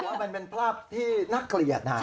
แต่ว่ามันเป็นภาพที่นักเกลียดนะครับ